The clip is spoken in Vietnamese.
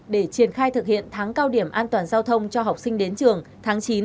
để triển khai thực hiện tháng cao điểm an toàn giao thông cho học sinh đến trường tháng chín